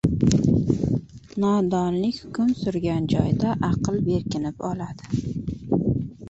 • Nodonlik hukm surgan joyda aql berkinib oladi.